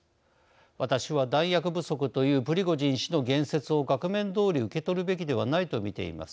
私は弾薬不足というプリゴジン氏の言説を額面どおり受け取るべきではないと見ています。